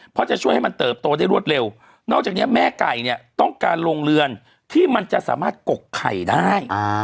เพราะจะช่วยให้มันเติบโตได้รวดเร็วนอกจากนี้แม่ไก่เนี่ยต้องการโรงเรือนที่มันจะสามารถกกไข่ได้